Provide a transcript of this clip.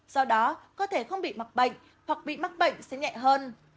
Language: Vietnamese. do đó cơ thể không bị mắc bệnh hoặc bị mắc bệnh sẽ nhẹ hơn